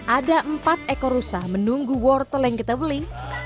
ada empat ekor rusa menunggu wortel yang kita beli